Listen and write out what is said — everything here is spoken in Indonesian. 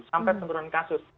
sampai menurun kasus